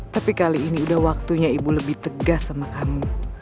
tapi kali ini udah waktunya ibu lebih tegas sama kamu